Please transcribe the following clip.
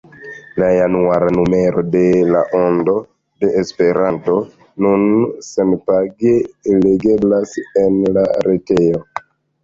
La januara numero de La Ondo de Esperanto nun senpage legeblas en la retejo.